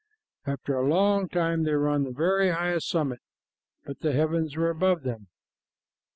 After a long time they were on the very highest summit, but the heavens were above them.